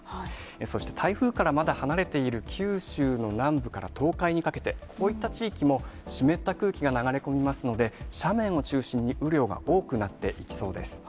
そして、台風からまだ離れている九州の南部から東海にかけて、こういった地域も、湿った空気が流れ込みますので、斜面を中心に雨量が多くなっていきそうです。